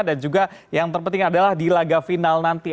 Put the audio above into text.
dan juga yang terpenting adalah di laga final nanti